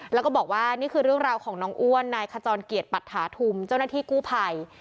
แล้วก็บอกว่านี่คือเรื่องราวของน้องอ้วนนายขจรเกียรติปัตถาธุมเจ้าหน้าที่กู้ภัย